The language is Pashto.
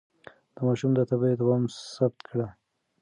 د ماشوم د تبه دوام ثبت کړئ.